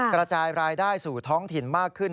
กระจายรายได้สู่ท้องถิ่นมากขึ้น